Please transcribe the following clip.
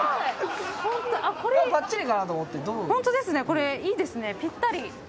これいいですねぴったり。